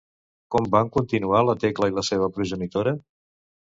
Com van continuar la Tecla i la seva progenitora?